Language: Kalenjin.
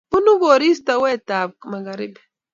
bunuu koristo wetab magharibi